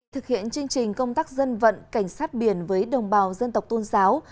thực hiện chương trình công tác dân vận cảnh sát biển với đồng bào dân tộc tôn giáo